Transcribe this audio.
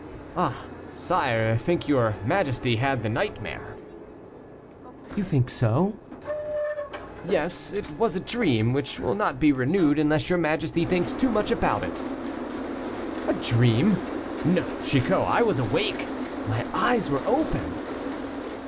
"Ah, sire, I think your majesty had the nightmare." "You think so?" "Yes, it was a dream, which will not be renewed, unless your majesty thinks too much about it." "A dream? No, Chicot, I was awake, my eyes were open."